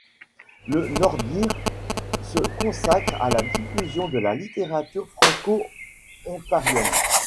Le Nordir se consacre à la diffusion de la littérature franco-ontarienne.